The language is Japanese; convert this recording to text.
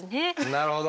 なるほど。